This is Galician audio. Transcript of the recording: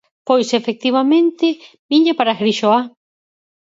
Pois, efectivamente, viña para Grixoa.